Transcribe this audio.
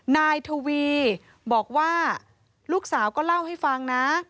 นายทวีบอกว่าลูกสาวก็เล่าให้ฟังนะ